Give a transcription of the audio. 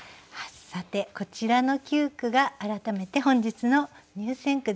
さてこちらの九句が改めて本日の入選句です。